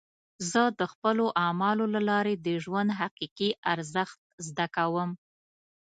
زه د خپلو اعمالو له لارې د ژوند حقیقي ارزښت زده کوم.